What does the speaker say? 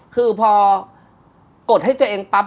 คือพอกดให้ตัวเองปั๊บ